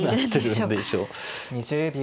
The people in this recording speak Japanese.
２０秒。